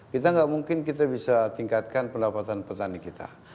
kita nggak mungkin kita bisa tingkatkan pendapatan petani kita